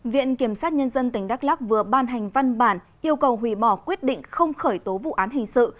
viện kiểm sát nhân dân tỉnh đắk lắc vừa ban hành văn bản yêu cầu hủy bỏ quyết định không khởi tố vụ án hình sự